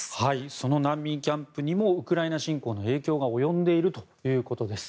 その難民キャンプにもウクライナ侵攻の影響が及んでいるということです。